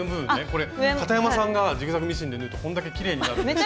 これかたやまさんがジグザグミシンで縫うとこんだけきれいになるんです。